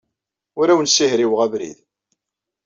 Ur awen-ssihriweɣ abrid.